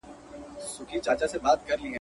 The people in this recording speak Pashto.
داسي شرط زموږ په نصیب دی رسېدلی.